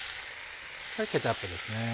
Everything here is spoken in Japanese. ケチャップですね。